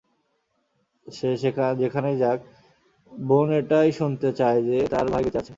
সে যেখানেই থাক, বোন এটাই শুনতে চায় যে, তার ভাই বেঁচে আছে।